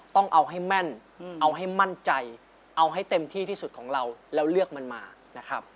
ต้องเอาให้แม่นเอาให้มั่นใจเอาให้เต็มที่ที่สุดของเราแล้วเลือกมันมานะครับ